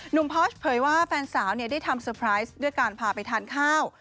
หนุ่มพอส์เผยว่าแฟนสาวเนี่ยได้ทำสุปรายซ์ด้วยการพาไปทานข้าว